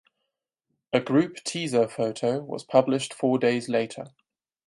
A group teaser photo was published four days later.